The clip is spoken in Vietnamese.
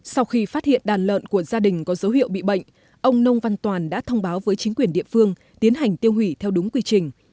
sau khi phát hiện đàn lợn của gia đình có dấu hiệu bị bệnh ông nông văn toàn đã thông báo với chính quyền địa phương tiến hành tiêu hủy theo đúng quy trình